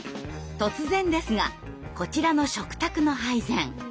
突然ですがこちらの食卓の配膳。